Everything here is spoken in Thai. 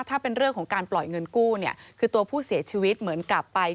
ถ้าเป็นเรื่องของการปล่อยเงินกู้เนี่ยคือตัวผู้เสียชีวิตเหมือนกลับไป